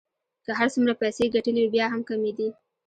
که هر څومره پیسې يې ګټلې وې بیا هم کمې دي.